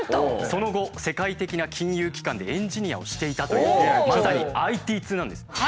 その後世界的な金融機関でエンジニアをしていたというまさにＩＴ通なんです。